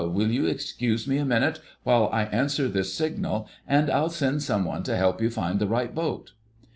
Will you excuse me a minute while I answer this signal, and I'll send some one to help you find the right boat."